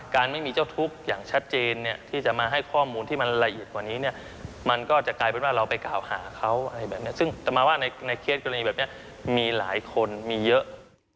ก็เลยมีแบบนี้มีหลายคนมีเยอะ